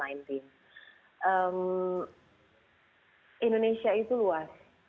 indonesia itu luas